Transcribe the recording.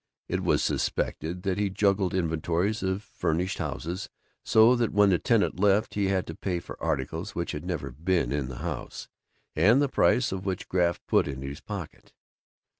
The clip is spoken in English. It was suspected that he juggled inventories of furnished houses so that when the tenant left he had to pay for articles which had never been in the house and the price of which Graff put into his pocket.